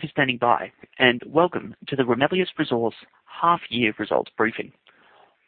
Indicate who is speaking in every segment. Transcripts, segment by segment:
Speaker 1: Thank you for standing by, and welcome to the Ramelius Resources Half-Year Results Briefing.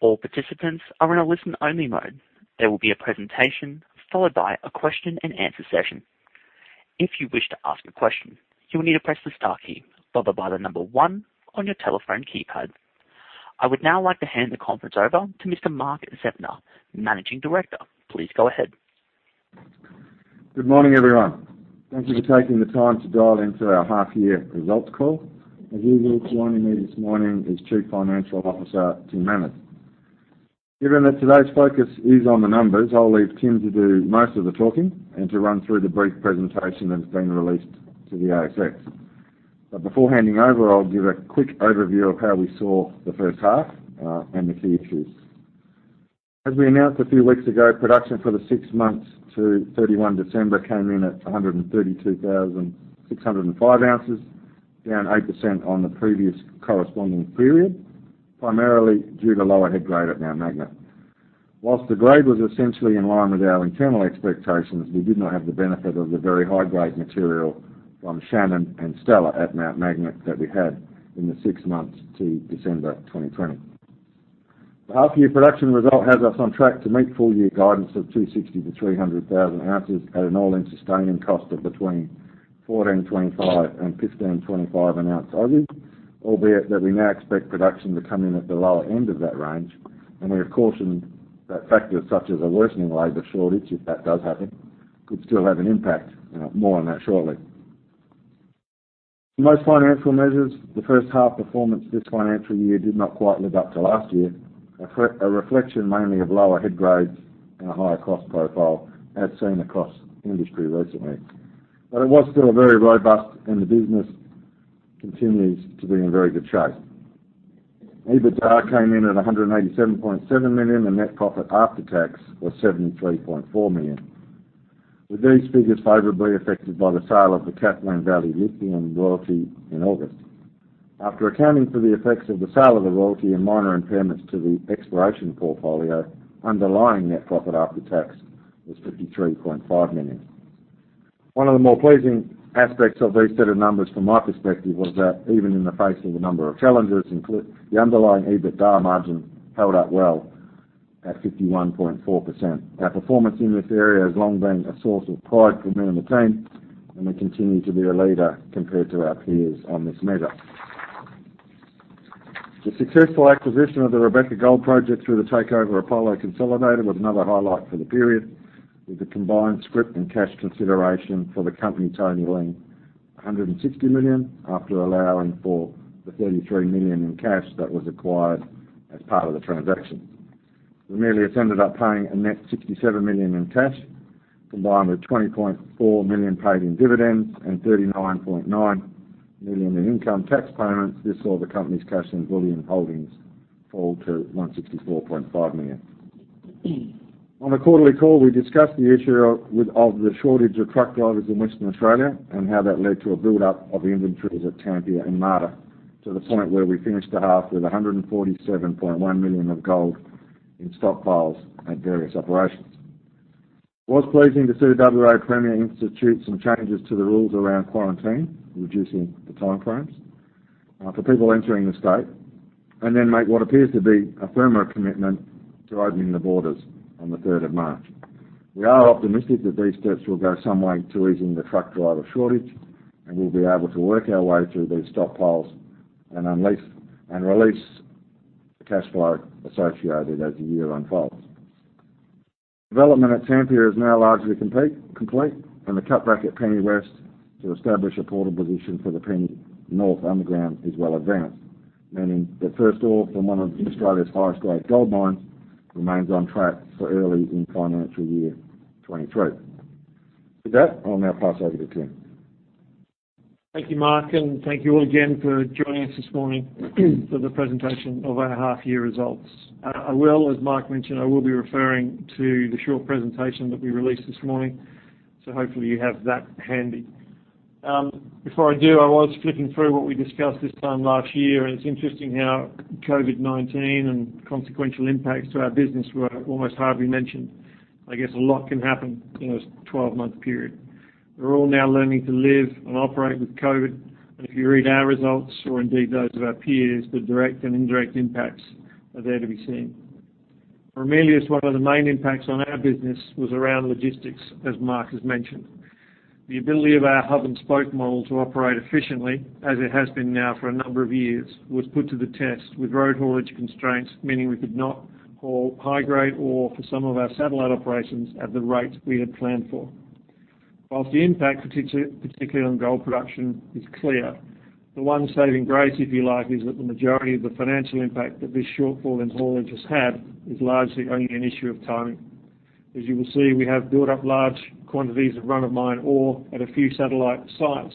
Speaker 1: All participants are in a listen-only mode. There will be a presentation followed by a question and answer session. If you wish to ask a question, you will need to press the star key followed by the number one on your telephone keypad. I would now like to hand the conference over to Mr. Mark Zeptner, Managing Director. Please go ahead.
Speaker 2: Good morning, everyone. Thank you for taking the time to dial into our half year results call. As usual, joining me this morning is Chief Financial Officer, Tim Manners. Given that today's focus is on the numbers, I'll leave Tim to do most of the talking and to run through the brief presentation that has been released to the ASX. Before handing over, I'll give a quick overview of how we saw the first half and the key issues. As we announced a few weeks ago, production for the six months to 31 December came in at 132,605 ounces, down 8% on the previous corresponding period, primarily due to lower head grade at Mount Magnet. While the grade was essentially in line with our internal expectations, we did not have the benefit of the very high-grade material from Shannon and Stellar at Mount Magnet that we had in the six months to December 2020. The half year production result has us on track to meet full year guidance of 260,000-300,000 ounces at an all-in sustaining cost of between 1,425-1,525 an ounce Aussie. Albeit that we now expect production to come in at the lower end of that range, and we have cautioned that factors such as a worsening labor shortage, if that does happen, could still have an impact. More on that shortly. For most financial measures, the first half performance this financial year did not quite live up to last year. A reflection mainly of lower head grades and a higher cost profile as seen across industry recently. It was still very robust and the business continues to be in very good shape. EBITDA came in at 187.7 million and net profit after tax was 73.4 million, with these figures favorably affected by the sale of the Kathleen Valley Lithium royalty in August. After accounting for the effects of the sale of the royalty and minor impairments to the exploration portfolio, underlying net profit after tax was 53.5 million. One of the more pleasing aspects of these set of numbers from my perspective was that even in the face of a number of challenges, the underlying EBITDA margin held up well at 51.4%. Our performance in this area has long been a source of pride for me and the team, and we continue to be a leader compared to our peers on this measure. The successful acquisition of the Rebecca Gold Project through the takeover of Apollo Consolidated was another highlight for the period. With the combined scrip and cash consideration for the company totaling 160 million, after allowing for the 33 million in cash that was acquired as part of the transaction, Ramelius ended up paying a net 67 million in cash, combined with 20.4 million paid in dividends and 39.9 million in income tax payments. This saw the company's cash and bullion holdings fall to 164.5 million. On the quarterly call, we discussed the issue of the shortage of truck drivers in Western Australia and how that led to a buildup of inventories at Tampia and Marda to the point where we finished the half with 147.1 million of gold in stockpiles at various operations. It was pleasing to see WA Premier institute some changes to the rules around quarantine, reducing the time frames for people entering the state, and then make what appears to be a firmer commitment to opening the borders on the third of March. We are optimistic that these steps will go some way to easing the truck driver shortage, and we'll be able to work our way through these stockpiles and release the cash flow associated as the year unfolds. Development at Tampia is now largely complete, and the cut back at Penny West to establish a portal position for the Penny North underground is well advanced, meaning the first ore from one of Australia's highest grade gold mines remains on track for early in FY 2023. With that, I'll now pass over to Tim.
Speaker 3: Thank you, Mark, and thank you all again for joining us this morning for the presentation of our half-year results. I will, as Mark mentioned, be referring to the short presentation that we released this morning, so hopefully you have that handy. Before I do, I was flipping through what we discussed this time last year, and it's interesting how COVID-19 and consequential impacts to our business were almost hardly mentioned. I guess a lot can happen in a 12-month period. We're all now learning to live and operate with COVID. If you read our results or indeed those of our peers, the direct and indirect impacts are there to be seen. At Ramelius, one of the main impacts on our business was around logistics, as Mark has mentioned. The ability of our hub and spoke model to operate efficiently, as it has been now for a number of years, was put to the test with road haulage constraints, meaning we could not haul high-grade ore for some of our satellite operations at the rates we had planned for. While the impact, particularly on gold production, is clear, the one saving grace, if you like, is that the majority of the financial impact that this shortfall in haulage has had is largely only an issue of timing. As you will see, we have built up large quantities of run-of-mine ore at a few satellite sites,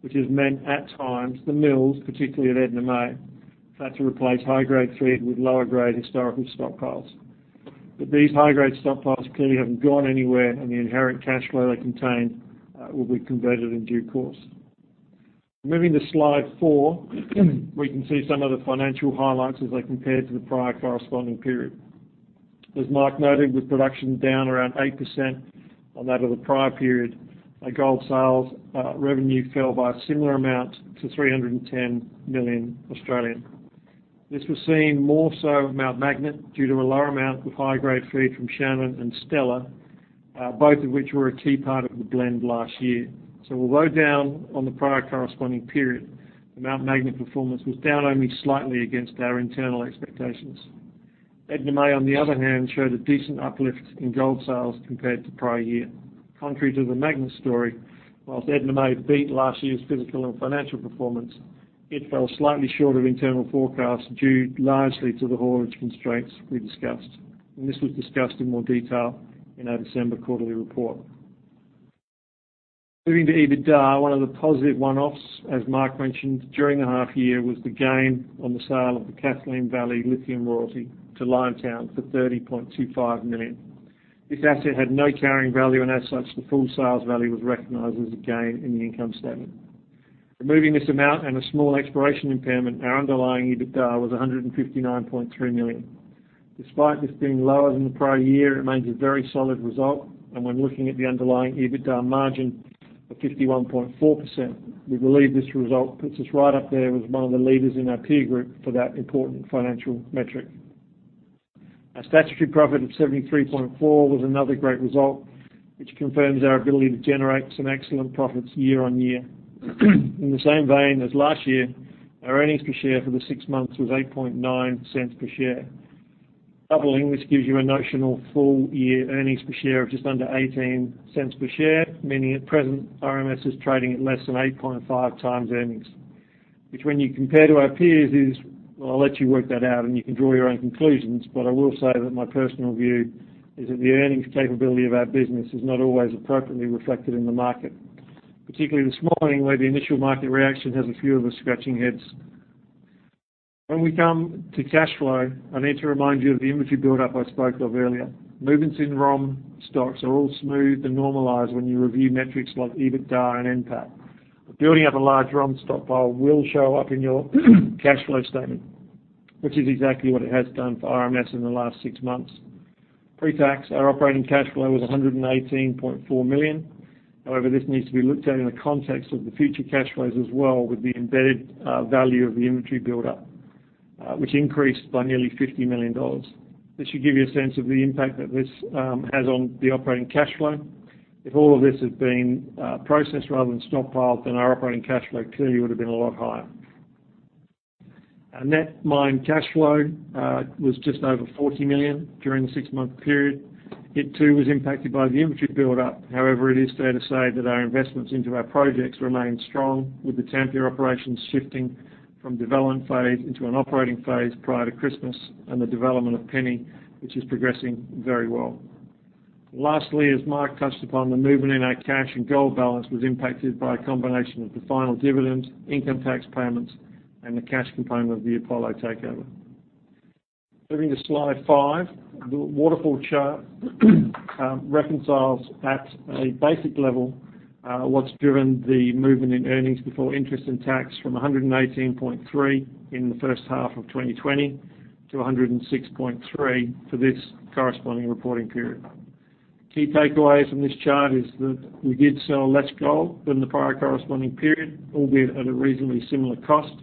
Speaker 3: which has meant at times the mills, particularly at Edna May, had to replace high-grade feed with lower grade historical stockpiles. These high-grade stockpiles clearly haven't gone anywhere, and the inherent cash flow they contain will be converted in due course. Moving to slide four, we can see some of the financial highlights as they compare to the prior corresponding period. As Mike noted, with production down around 8% on that of the prior period, our gold sales revenue fell by a similar amount to 310 million. This was seen more so at Mount Magnet due to a lower amount of high-grade feed from Shannon and Stellar, both of which were a key part of the blend last year. Although down on the prior corresponding period, the Mount Magnet performance was down only slightly against our internal expectations. Edna May, on the other hand, showed a decent uplift in gold sales compared to prior year. Contrary to the Mount Magnet story, while Edna May beat last year's physical and financial performance, it fell slightly short of internal forecasts due largely to the haulage constraints we discussed. This was discussed in more detail in our December quarterly report. Moving to EBITDA, one of the positive one-offs, as Mark mentioned, during the half year was the gain on the sale of the Kathleen Valley Lithium Royalty to Liontown for 30.25 million. This asset had no carrying value, and as such, the full sales value was recognized as a gain in the income statement. Removing this amount and a small exploration impairment, our underlying EBITDA was 159.3 million. Despite this being lower than the prior year, it remains a very solid result. When looking at the underlying EBITDA margin of 51.4%, we believe this result puts us right up there with one of the leaders in our peer group for that important financial metric. Our statutory profit of 73.4 million was another great result, which confirms our ability to generate some excellent profits year-on-year. In the same vein as last year, our earnings per share for the six months was 0.089 per share. Doubling this gives you a notional full-year earnings per share of just under 0.18 per share, meaning at present, RMS is trading at less than 8.5x earnings, which when you compare to our peers is. Well, I'll let you work that out, and you can draw your own conclusions. I will say that my personal view is that the earnings capability of our business is not always appropriately reflected in the market, particularly this morning, where the initial market reaction has a few of us scratching heads. When we come to cash flow, I need to remind you of the inventory buildup I spoke of earlier. Movements in ROM stocks are all smooth and normalized when you review metrics like EBITDA and NPAT. Building up a large ROM stockpile will show up in your cash flow statement, which is exactly what it has done for RMS in the last six months. Pre-tax, our operating cash flow was 119.4 million. However, this needs to be looked at in the context of the future cash flows as well, with the embedded value of the inventory buildup, which increased by nearly 50 million dollars. This should give you a sense of the impact that this has on the operating cash flow. If all of this had been processed rather than stockpiled, then our operating cash flow clearly would've been a lot higher. Our net mine cash flow was just over 40 million during the six-month period. It too was impacted by the inventory buildup. However, it is fair to say that our investments into our projects remain strong, with the Tampia operations shifting from development phase into an operating phase prior to Christmas and the development of Penny, which is progressing very well. Lastly, as Mark touched upon, the movement in our cash and gold balance was impacted by a combination of the final dividend, income tax payments, and the cash component of the Apollo takeover. Moving to slide five. The waterfall chart reconciles at a basic level, what's driven the movement in earnings before interest and tax from 119.3 in the first half of 2020 to 106.3 for this corresponding reporting period. Key takeaway from this chart is that we did sell less gold than the prior corresponding period, albeit at a reasonably similar cost,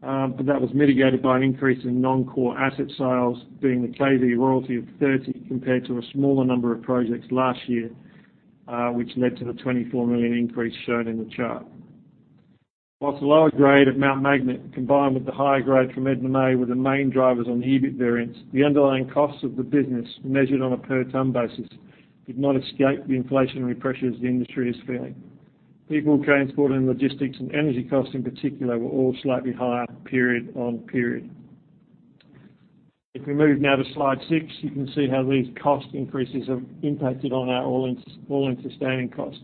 Speaker 3: but that was mitigated by an increase in non-core asset sales, being the KV royalty of 30 compared to a smaller number of projects last year, which led to the 24 million increase shown in the chart. Whilst the lower grade at Mount Magnet, combined with the higher grade from Edna May, were the main drivers on the EBIT variance, the underlying costs of the business measured on a per-tonne basis did not escape the inflationary pressures the industry is feeling. People, transport, and logistics and energy costs in particular were all slightly higher period-on-period. If we move now to slide six, you can see how these cost increases have impacted on our all-in sustaining cost.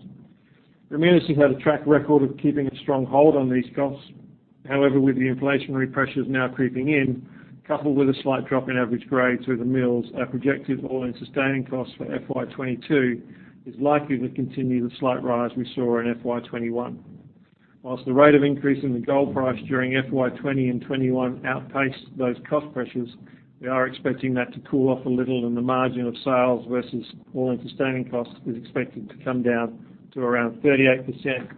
Speaker 3: Ramelius had a track record of keeping a strong hold on these costs. However, with the inflationary pressures now creeping in, coupled with a slight drop in average grades through the mills, our projected all-in sustaining cost for FY 2022 is likely to continue the slight rise we saw in FY 2021. While the rate of increase in the gold price during FY 2020 and 2021 outpaced those cost pressures, we are expecting that to cool off a little, and the margin of sales versus all-in sustaining cost is expected to come down to around 38%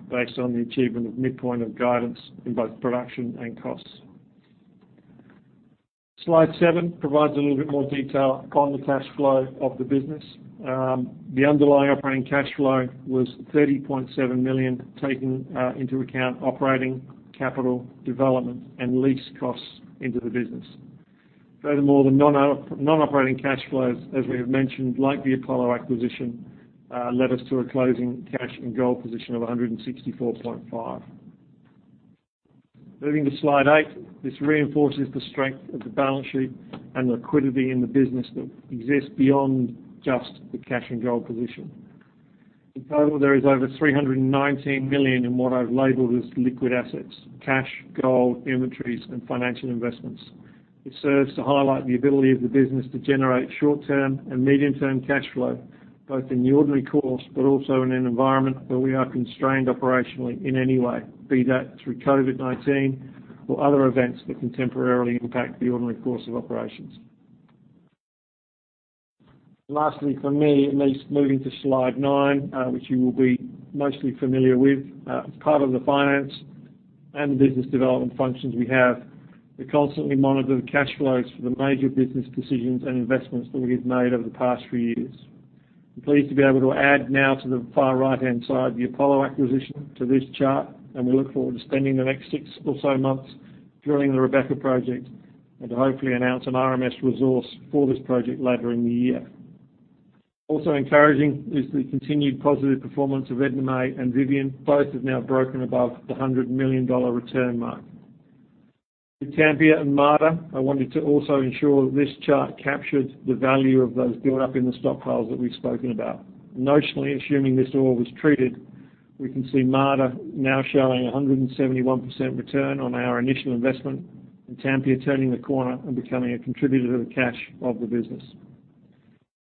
Speaker 3: based on the achievement of midpoint of guidance in both production and costs. Slide seven provides a little bit more detail on the cash flow of the business. The underlying operating cash flow was 30.7 million, taking into account operating, capital, development, and lease costs into the business. The non-operating cash flows, as we have mentioned, like the Apollo acquisition, led us to a closing cash and gold position of 164.5 million. Moving to Slide eight. This reinforces the strength of the balance sheet and the liquidity in the business that exists beyond just the cash and gold position. In total, there is over 319 million in what I've labeled as liquid assets, cash, gold, inventories, and financial investments. It serves to highlight the ability of the business to generate short-term and medium-term cash flow, both in the ordinary course but also in an environment where we are constrained operationally in any way, be that through COVID-19 or other events that can temporarily impact the ordinary course of operations. Lastly for me, at least, moving to slide nine, which you will be mostly familiar with. As part of the finance and business development functions we have, we constantly monitor the cash flows for the major business decisions and investments that we have made over the past few years. I'm pleased to be able to add now to the far right-hand side of the Apollo acquisition to this chart, and we look forward to spending the next six or so months drilling the Rebecca Project and hopefully announce an RMS resource for this project later in the year. Also encouraging is the continued positive performance of Edna May and Vivian. Both have now broken above the 100 million dollar return mark. With Tampia and Marda, I wanted to also ensure that this chart captured the value of those built up in the stockpiles that we've spoken about. Notionally assuming this ore was treated, we can see Marda now showing a 171% return on our initial investment, and Tampia turning the corner and becoming a contributor to the cash of the business.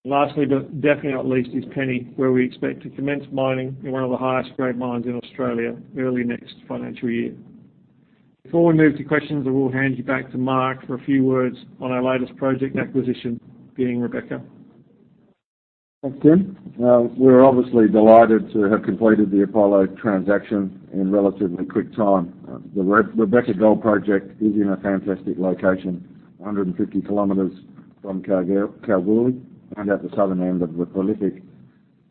Speaker 3: Lastly, but definitely not least, is Penny, where we expect to commence mining in one of the highest grade mines in Australia early next financial year. Before we move to questions, I will hand you back to Mark for a few words on our latest project acquisition being Rebecca.
Speaker 2: Thanks, Tim. We're obviously delighted to have completed the Apollo transaction in relatively quick time. The Rebecca Gold Project is in a fantastic location, 150 kilometers from Kalgoorlie and at the southern end of the prolific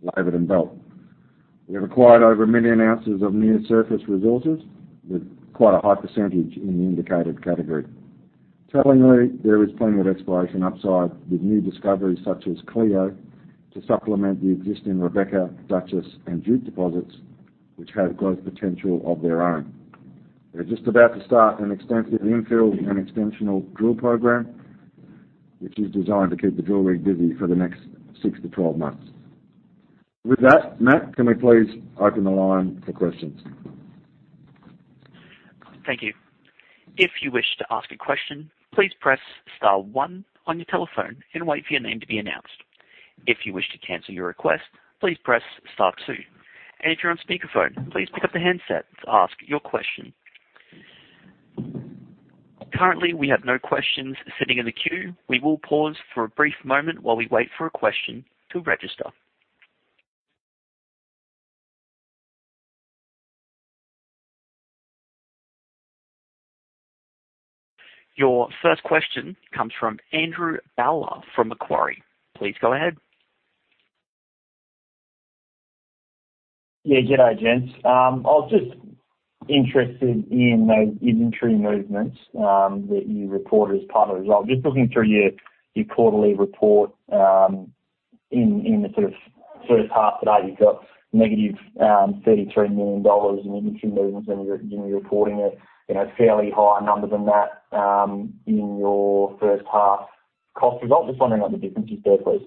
Speaker 2: Laverton Belt. We have acquired over 1 million ounces of near-surface resources with quite a high percentage in the indicated category. Tellingly, there is plenty of exploration upside, with new discoveries such as Cleo to supplement the existing Rebecca, Duchess, and Duke deposits, which have growth potential of their own. We're just about to start an extensive infill and extensional drill program, which is designed to keep the drill rig busy for the next six-12 months. With that, Matt, can we please open the line for questions?
Speaker 1: Thank you. If you wish to ask a question, please press star one on your telephone and wait for your name to be announced. If you wish to cancel your request, please press star two. If you're on speakerphone, please pick up the handset to ask your question. Currently, we have no questions sitting in the queue. We will pause for a brief moment while we wait for a question to register. Your first question comes from Andrew Bowler from Macquarie. Please go ahead.
Speaker 4: Yeah. G'day, gents. I was just interested in those inventory movements that you reported as part of the result. Just looking through your quarterly report, in the sort of first half today, you've got negative AUD 33 million in inventory movements when you're, you know, reporting a, you know, fairly higher number than that in your first half cost result. Just wondering what the difference is there, please.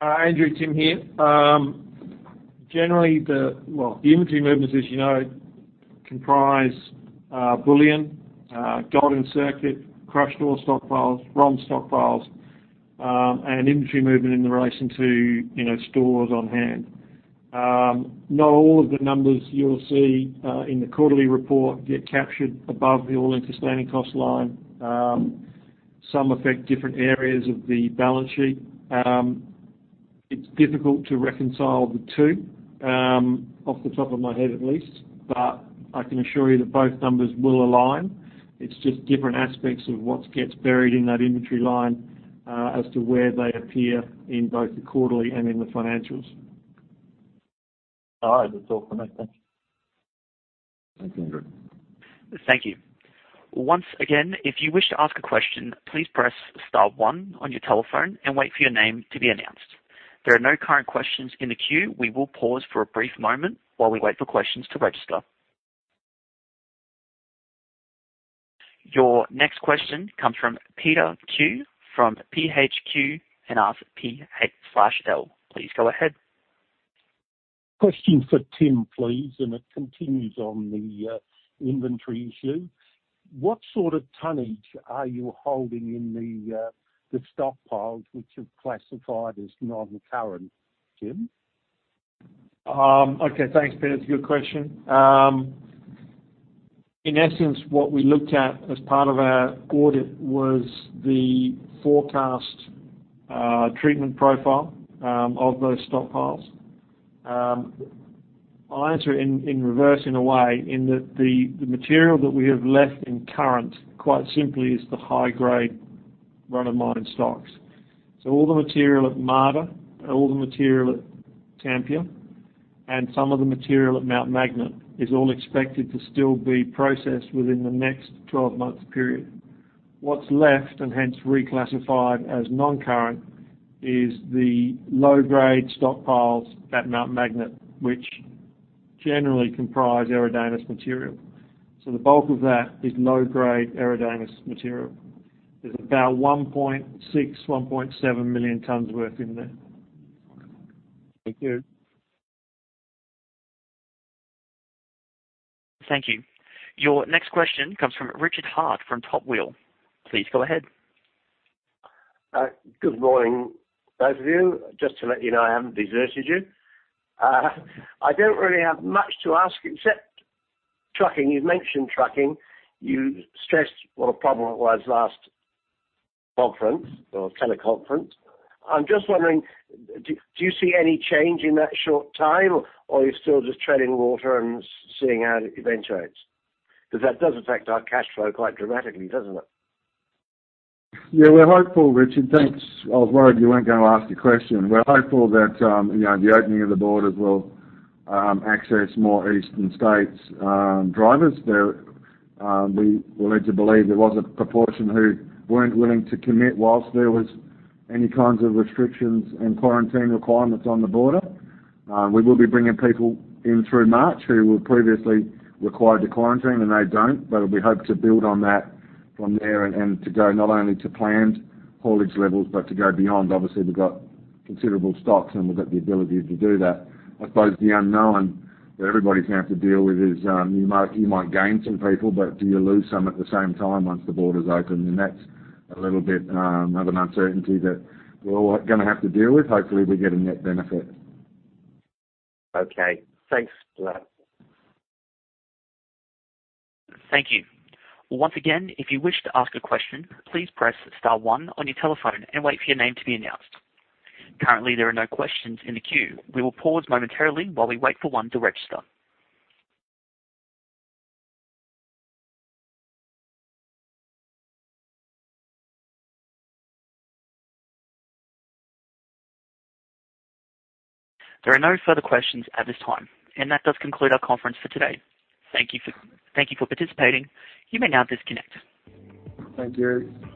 Speaker 3: Andrew, Tim here. Generally, well, the inventory movements, as you know, comprise bullion, gold in circuit, crushed ore stockpiles, ROM stockpiles, and inventory movement in relation to, you know, stores on hand. Not all of the numbers you'll see in the quarterly report get captured above the all-in sustaining cost line. Some affect different areas of the balance sheet. It's difficult to reconcile the two off the top of my head at least, but I can assure you that both numbers will align. It's just different aspects of what gets buried in that inventory line as to where they appear in both the quarterly and in the financials.
Speaker 4: All right. That's all from me. Thank you.
Speaker 2: Thanks, Andrew.
Speaker 1: Thank you. Once again, if you wish to ask a question, please press star one on your telephone and wait for your name to be announced. There are no current questions in the queue. We will pause for a brief moment while we wait for questions to register. Your next question comes from Peter [Que] from [PHQ and RPH]. Please go ahead.
Speaker 5: Question for Tim, please, and it continues on the inventory issue. What sort of tonnage are you holding in the stockpiles which you've classified as non-current, Tim?
Speaker 3: Okay. Thanks, Peter. It's a good question. In essence, what we looked at as part of our audit was the forecast treatment profile of those stockpiles. I'll answer in reverse in a way, in that the material that we have left in current quite simply is the high grade run-of-mine stocks. All the material at Marda, all the material at Tampia, and some of the material at Mount Magnet is all expected to still be processed within the next 12 months period. What's left, and hence reclassified as non-current, is the low-grade stockpiles at Mount Magnet, which generally comprise Eridanus material. The bulk of that is low-grade Eridanus material. There's about 1.6-1.7 million tons worth in there.
Speaker 5: Thank you.
Speaker 1: Thank you. Your next question comes from Richard [Hart] from [Top Wheel]. Please go ahead.
Speaker 6: Good morning, both of you. Just to let you know, I haven't deserted you. I don't really have much to ask except trucking. You've mentioned trucking. You stressed what a problem it was last conference or teleconference. I'm just wondering, do you see any change in that short time or are you still just treading water and seeing how it eventuates? Because that does affect our cash flow quite dramatically, doesn't it?
Speaker 2: Yeah, we're hopeful, Richard. Thanks. I was worried you weren't gonna ask a question. We're hopeful that, you know, the opening of the borders will access more eastern states drivers there. We were led to believe there was a proportion who weren't willing to commit while there was any kinds of restrictions and quarantine requirements on the border. We will be bringing people in through March who were previously required to quarantine, and they don't. We hope to build on that from there and to go not only to planned haulage levels but to go beyond. Obviously, we've got considerable stocks, and we've got the ability to do that. I suppose the unknown that everybody's gonna have to deal with is, you might gain some people, but do you lose some at the same time once the border's open? That's a little bit of an uncertainty that we're all gonna have to deal with. Hopefully, we get a net benefit.
Speaker 7: Okay. Thanks for that.
Speaker 1: Thank you. Once again, if you wish to ask a question, please press star one on your telephone and wait for your name to be announced. Currently, there are no questions in the queue. We will pause momentarily while we wait for one to register. There are no further questions at this time. That does conclude our conference for today. Thank you for participating. You may now disconnect.
Speaker 2: Thank you.